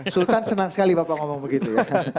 sultan senang sekali bapak ngomong begitu